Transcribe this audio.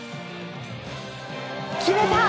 決めた！